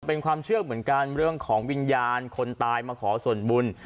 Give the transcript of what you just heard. เป็นความเชื่อเหมือนกันเรื่องของวิญญาณคนตายมาขอส่วนบุญ